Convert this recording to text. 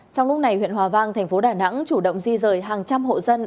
trong lúc này huyện hòa vang thành phố đà nẵng chủ động di rời hàng trăm hộ dân